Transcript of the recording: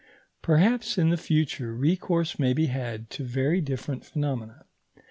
Perhaps in the future recourse may be had to very different phenomena.